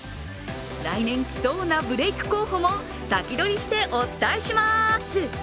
来年きそうなブレイク候補も先取りしてお伝えします。